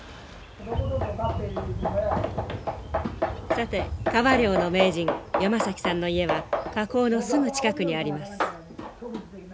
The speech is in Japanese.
さて川漁の名人山崎さんの家は河口のすぐ近くにあります。